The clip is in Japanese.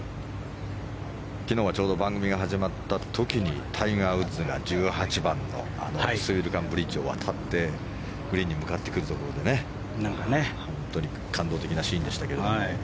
昨日はちょうど番組が始まった時にタイガー・ウッズが１８番のスウィルカンブリッジを渡ってグリーンに向かってくるところで本当に感動的なシーンでしたね。